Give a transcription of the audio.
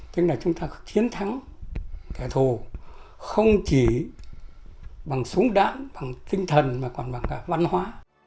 tức là chúng ta chiến thắng kẻ thù không chỉ bằng súng đạn bằng tinh thần mà còn bằng cả văn hóa